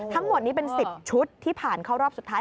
ทั้งหมดนี้เป็น๑๐ชุดที่ผ่านเข้ารอบสุดท้าย